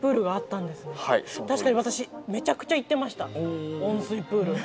たしかに私めちゃくちゃ行ってました温水プール。